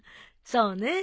そうね。